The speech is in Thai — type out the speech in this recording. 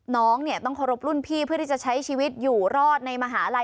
น้องเนี่ยต้องเคารพรุ่นพี่เพื่อที่จะใช้ชีวิตอยู่รอดในมหาลัย